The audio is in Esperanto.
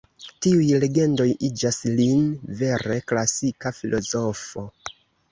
Tiuj legendoj iĝas lin vere klasika filozofo.